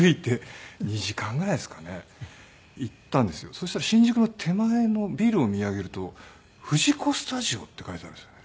そしたら新宿の手前のビルを見上げると藤子スタジオって書いてあるんですよね。